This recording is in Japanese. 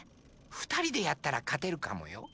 ふたりでやったらかてるかもよ？